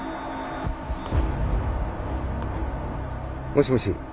もしもし。